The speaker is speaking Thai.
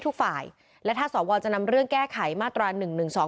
ทางคุณชัยธวัดก็บอกว่าการยื่นเรื่องแก้ไขมาตรวจสองเจน